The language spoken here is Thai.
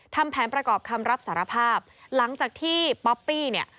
ทำแผนประกอบคำรับสารภาพหลังจากที่ป๊อปปี้เนี่ย